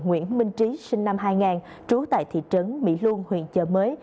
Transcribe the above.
nguyễn minh trí sinh năm hai nghìn trú tại thị trấn mỹ luông huyện chợ mới